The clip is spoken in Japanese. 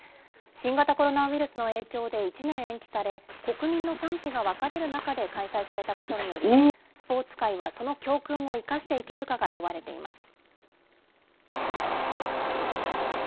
新型コロナウイルスの影響で１年延期され、国民の賛否が分かれる中で開催されたことにより、スポーツ界はその教訓を生かしていけるかが問われています。